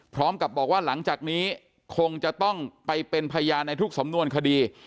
พร้อมกับบอกว่าหลังจากนี้คงจะต้องไปเป็นพยานในทุกสำนวนคดี